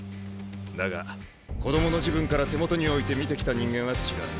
だが子供の時分から手元に置いて見てきた人間は違う。